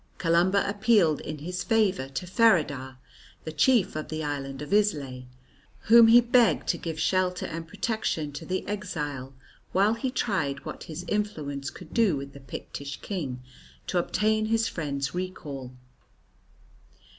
Columba appealed in his favour to Feradagh, the chief of the island of Islay, whom he begged to give shelter and protection to the exile, while he tried what his influence could do with the Pictish king to obtain his friend's recall.